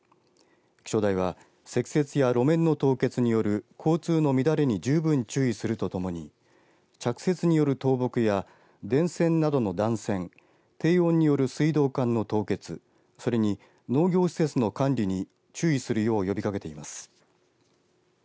気象台は積雪や路面の凍結による交通の乱れに十分注意するとともに着雪による倒木や電線などの断線低温による水道管の凍結それに農業施設の管理に注意するよう呼びかけています。